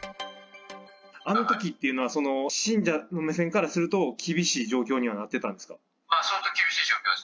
あのときというのは、信者の目線からすると、厳しい状況にはなってたんですか？